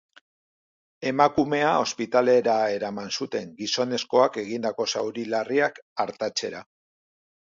Emakumea ospitalera eraman zuten, gizonezkoak egindako zauri larriak artatzera.